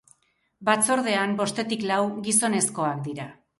Batzordean bostetik lau gizonezkoak dira.